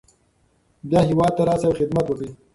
بیا هیواد ته راشئ او خدمت وکړئ.